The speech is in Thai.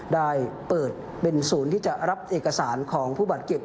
ได้เปิดเป็นศูนย์ที่จะรับเอกสารของผู้บาดเจ็บ